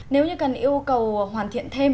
nếu như cần yêu cầu hoàn thiện thêm